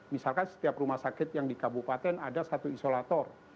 misalkan setiap rumah sakit yang di kabupaten ada satu isolator